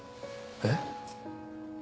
えっ？